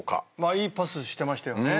いいパスしてましたよね。